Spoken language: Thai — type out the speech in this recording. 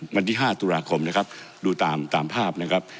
วันที่๕ตุลาคมนะครับดูตามตามภาพนะครับ